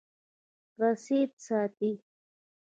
رسید ساتئ